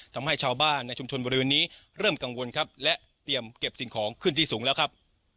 ทำให้ชาวบ้านในชุมชนบริเวณนี้เริ่มกังวลครับและเตรียมเก็บสิ่งของขึ้นที่สูงแล้วครับ